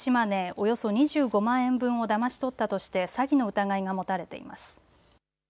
およそ２５万円分をだまし取ったとして詐欺の疑いが持たれています。